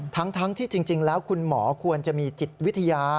ทั้งที่จริงแล้วคุณหมอควรจะมีจิตวิทยา